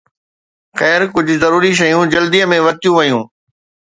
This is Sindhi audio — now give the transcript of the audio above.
خير، ڪجهه ضروري شيون جلدي ۾ ورتيون ويون